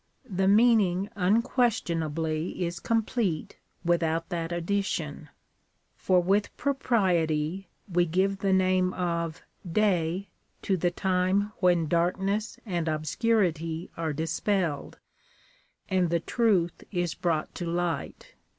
The meaning unquestionably is complete without that addi tion. For with propriety we give the name of day to the time when darkness and obscurity are dispelled, and the truth is brought to light.